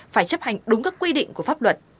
phải chấp hành đúng các quy định của pháp luật